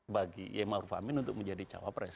bagi yaimma aruf amin untuk menjadi cawabres